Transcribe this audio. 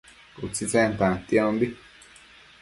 utsitsen tantiombi